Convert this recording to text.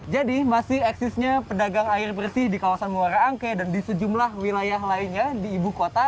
jadi masih eksisnya pedagang air bersih di kawasan muara angke dan di sejumlah wilayah lainnya di ibu kota